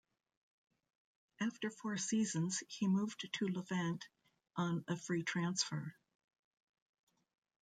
After four seasons he moved to Levante on a free transfer.